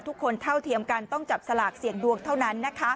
ทุกคนเท่าเทียมกันต้องจับสลากเสียงดวกเท่านั้น